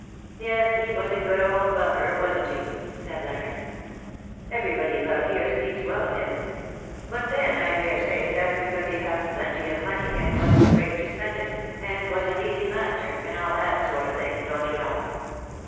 ^''" Yes, he was a good old buffer, wasn^'t he ?" said Leonard. " Everybody about here speaks well of him ; but then, I daresay that^s because he had plenty of money, and wasn^'t afraid to spend it, and was an easy master, and all that sort of thing, don't you know.